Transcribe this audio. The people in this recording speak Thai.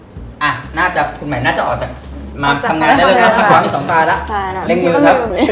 อเรนนี่อะน่าจะออกมาทำงานได้บ้างเลยเนี่ย